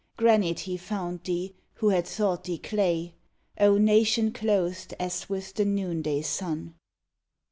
Granite he found thee, who had thought thee clay, O nation clothed as with the noonday sun